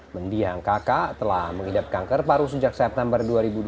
mendiang kakak telah mengidap kanker paru sejak september dua ribu dua puluh